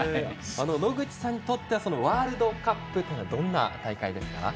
野口さんにとってはワールドカップとはどんな大会ですか？